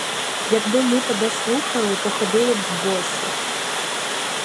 Якби ми тебе слухали, то ходили б босі.